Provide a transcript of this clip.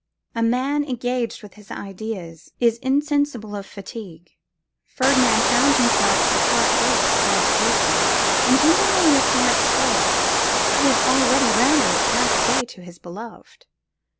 A man engaged with his ideas is insensible of fatigue. Ferdinand found himself at the Park gate that led to Ducie; intending only a slight stroll, he had already rambled half way to his beloved.